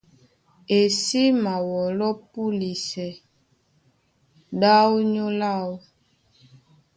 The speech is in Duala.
E sí mawɔlɔ́ púlisɛ ɗá ónyólá áō.